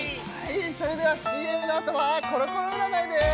それではＣＭの後はコロコロ占いです